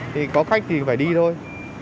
thì có khách thì phải đi thôi